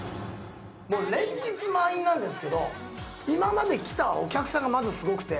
連日満員なんですけど今まで来たお客さんがまずすごくて。